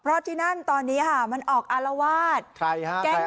เพราะที่นั่นตอนเนี้ยฮะมันออกอลวาทใช่ฮะใครอลวาท